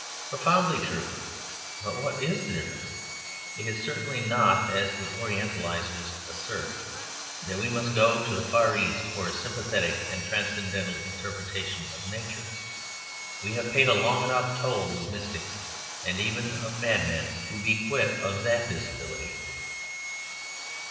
Profoundly true; but what is the difference? It is certainly not as the Orientalisers assert, that we must go to the Far East for a sympathetic and transcendental interpretation of Nature. We have paid a long enough toll of mystics and even of madmen to be quit of that disability.